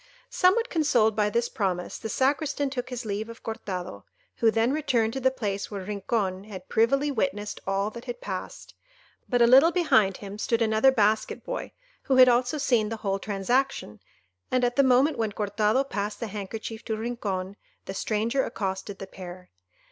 Somewhat consoled by this promise, the Sacristan took his leave of Cortado, who then returned to the place where Rincon had privily witnessed all that had passed. But a little behind him stood another basket boy, who had also seen the whole transaction; and at the moment when Cortado passed the handkerchief to Rincon, the stranger accosted the pair.